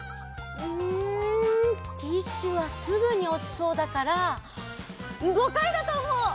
うんティッシュはすぐにおちそうだから５かいだとおもう！